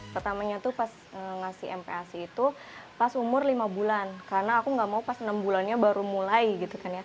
pertamanya itu pas ngasih mpasi itu pas umur lima bulan karena aku nggak mau pas enam bulannya baru mulai gitu